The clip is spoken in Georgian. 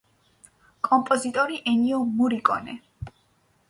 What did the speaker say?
კომპოზიტორი ენიო მორიკონე.